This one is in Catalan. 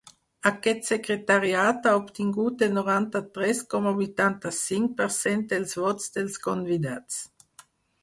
Aquest secretariat ha obtingut el noranta-tres coma vuitanta-cinc per cent dels vots dels convidats.